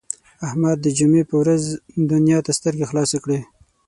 احمد د جمعې په ورځ دنیا ته سترګې خلاصې کړې.